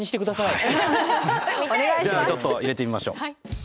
ではちょっと入れてみましょう。